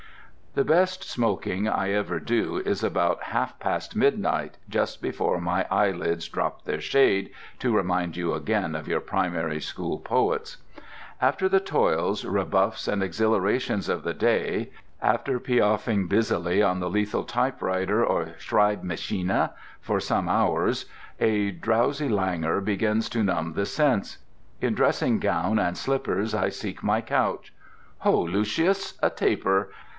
The best smoking I ever do is about half past midnight, just before "my eyelids drop their shade," to remind you again of your primary school poets. After the toils, rebuffs, and exhilarations of the day, after piaffing busily on the lethal typewriter or schreibmaschine for some hours, a drowsy languor begins to numb the sense. In dressing gown and slippers I seek my couch; Ho, Lucius, a taper!